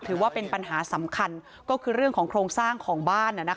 ถือว่าเป็นปัญหาสำคัญก็คือเรื่องของโครงสร้างของบ้าน